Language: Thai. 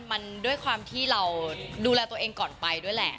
มันด้วยความที่เราดูแลตัวเองก่อนไปด้วยแหละ